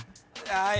はい。